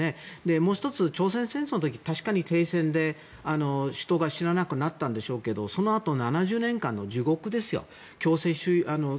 もう１つ、朝鮮戦争の時確かに停戦で人が死ななくなったんでしょうがそのあと７０年間の地獄ですよ。